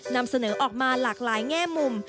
นำเสนอออกมาหลากหลายแง่มุม